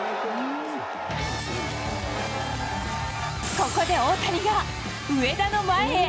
ここで大谷が上田の前へ。